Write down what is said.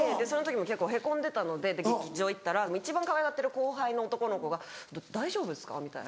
その時も結構へこんでたのでで劇場行ったら一番かわいがってる後輩の男の子が「大丈夫ですか？